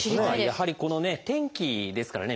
やはり天気ですからね